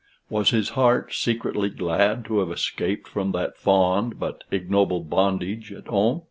Was his heart secretly glad to have escaped from that fond but ignoble bondage at home?